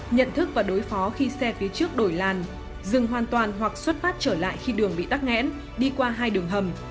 nhận thức và đối phó khi xe phía trước đổi làn dừng hoàn toàn hoặc xuất phát trở lại khi đường bị tắc nghẽn đi qua hai đường hầm